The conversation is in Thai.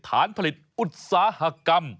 ฐานผลิตอุตสาหกรรม